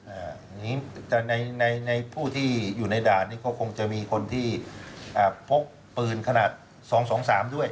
อ่านี่แต่ในในในผู้ที่อยู่ในด่านนี้ก็คงจะมีคนที่อ่าพกปืนขนาด๒๒๓ด้วย